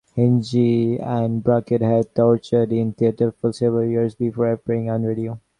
Hinge and Bracket had toured in theatre for several years before appearing on radio.